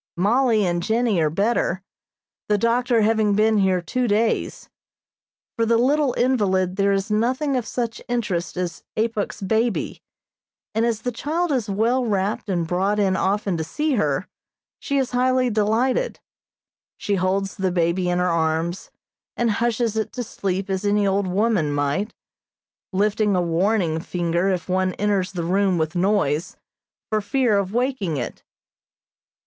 Mollie and Jennie are better, the doctor having been here two days. For the little invalid there is nothing of such interest as Apuk's baby, and as the child is well wrapped and brought in often to see her, she is highly delighted. She holds the baby in her arms, and hushes it to sleep as any old woman might, lifting a warning finger if one enters the room with noise, for fear of waking it.